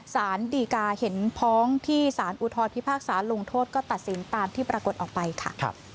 สารดีกาเห็นพ้องที่สารอุทธรพิพากษาลงโทษก็ตัดสินตามที่ปรากฏออกไปค่ะ